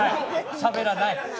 しゃべらない。